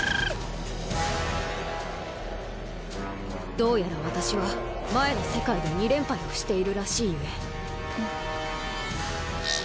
どうやら私は前の世界で２連敗をしているらしいゆえ。